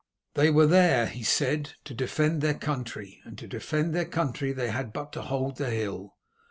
"They were there," he said, "to defend their country, and to defend their country they had but to hold the hill.